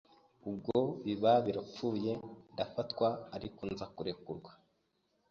ubwo biba birapfuye ndafatwa ariko nza kurekurwa